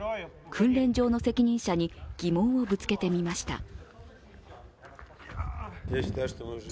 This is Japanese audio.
訓練場の責任者に疑問をぶつけてみました。